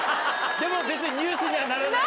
でも別にニュースにはならないし。